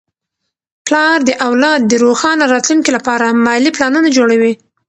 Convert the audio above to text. پلار د اولاد د روښانه راتلونکي لپاره مالي پلانونه جوړوي.